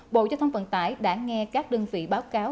bộ giao thông vận tải đã nghe các đơn vị báo cáo